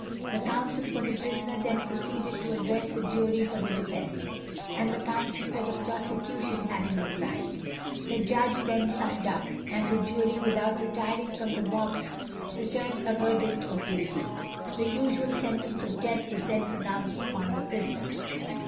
The counsel for the prisoner then proceeded to address the Jury for the defence, and the counsel for the prosecution having replied, The Judge then summed up, and the Jury without retiring from the box returned a verdict of Guilty. The usual Sentence of Death was then pronounced upon the prisoner.